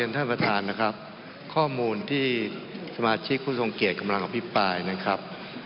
ท่านประธานนะครับข้อมูลที่สมาชิกผู้ทรงเกียจกำลังอภิปรายนะครับ